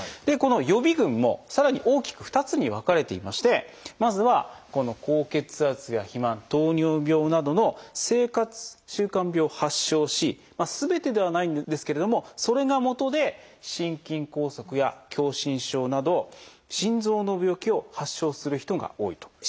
でこの予備群もさらに大きく２つに分かれていましてまずはこの高血圧や肥満糖尿病などの生活習慣病を発症しまあすべてではないんですけれどもそれがもとで心筋梗塞や狭心症など心臓の病気を発症する人が多いと。